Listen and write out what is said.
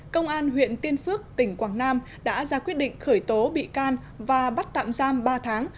công an huyện tiên phước tỉnh quảng nam đã ra quyết định khởi tố bị can và bắt tạm giam ba tháng